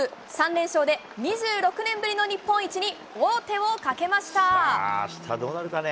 ３連勝で２６年ぶりの日本一に王手をかけました。